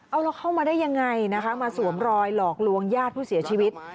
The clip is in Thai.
เอาเราเข้ามาได้ยังไงนะคะมาสวมรอยหลอกลวงญาติผู้เสียชีวิต